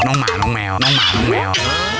น้องหมาน้องแมว